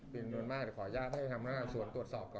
เป็นเงินมากแต่ขออนุญาตให้ทำหน้าส่วนตรวจสอบก่อนครับ